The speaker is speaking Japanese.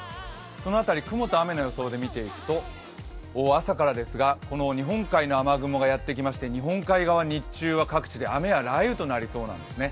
その辺り、雲と雨の予想で見ていくと朝からですが日本海の雨雲がやってきて日本海側、日中は各地で雨や雷雨となりそうなんですね。